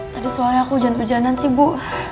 tadi soalnya aku hujan hujanan sih bu